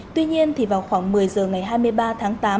tuy nhiên thì vào khoảng một mươi giờ ngày hai mươi ba tháng tám